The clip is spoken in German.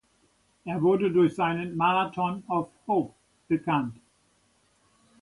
Er wurde durch seinen "Marathon of Hope" bekannt.